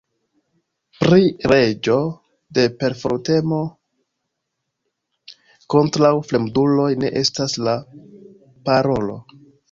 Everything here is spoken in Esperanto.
Pri reĝo de perfortemo kontraŭ fremduloj ne estas la parolo.